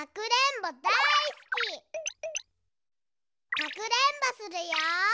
かくれんぼするよ。